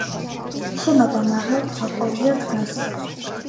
შენობა მაღალ ცოკოლზე დგას.